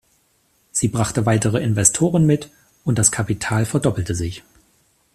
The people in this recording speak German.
Sie brachte weitere Investoren mit und das Kapital verdoppelte sich.